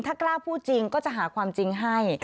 ถ้ากล้าพูดจริงก็จะหาความจริงให้